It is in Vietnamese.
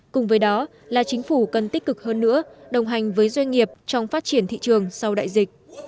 cùng với đó là chính phủ cần tích cực hơn nữa đồng hành với doanh nghiệp trong phát triển thị trường sau đại dịch